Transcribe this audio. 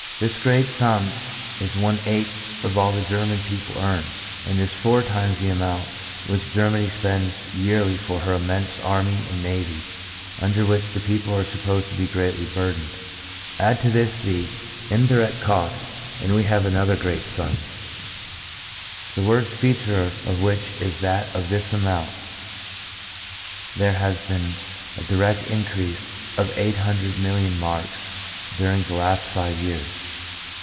This great sum is one eighth of all the German people earn, and is four times the amount which Germany spends yearly for her immense army and navy, under which the people are supposed to be greatly burdened. Add to this the indirect cost and we have another great sum, the worst feature of which is that of this amount there has been a direct increase of 800,000,000 marks during the last five years.